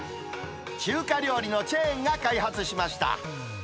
中華料理のチェーンが開発しました。